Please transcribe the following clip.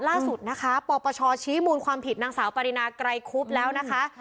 ล่าสุดนะคะปปชชี้มูลความผิดนางสาวปรินาไกรคุบแล้วนะคะ